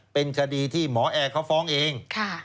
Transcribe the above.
เป็นคดีที่หมอแอร์เขาฟ้องเอง